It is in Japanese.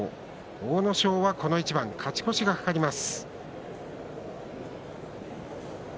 阿武咲、この一番勝ち越しが懸かります。